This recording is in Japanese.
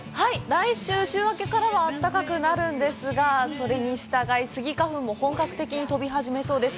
来週、週明けからはあったかくなるんですが、それに従いスギ花粉も本格的に飛び始めそうです。